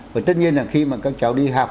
và tất nhiên là khi mà các cháu đi học